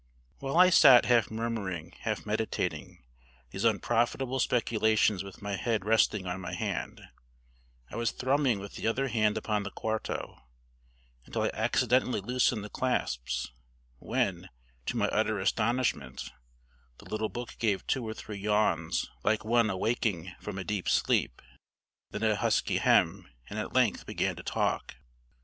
While I sat half murmuring, half meditating, these unprofitable speculations with my head resting on my hand, I was thrumming with the other hand upon the quarto, until I accidentally loosened the clasps; when, to my utter astonishment, the little book gave two or three yawns, like one awaking from a deep sleep, then a husky hem, and at length began to talk.